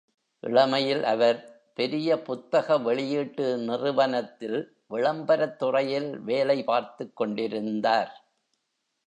இளமையில் அவர், பெரிய புத்தக வெளியீட்டு நிறுவனத்தில் விளம்பரத் துறையில் வேலை பார்த்துக்கொண்டிருந்தார்.